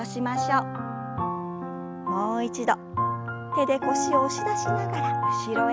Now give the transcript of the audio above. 手で腰を押し出しながら後ろへ。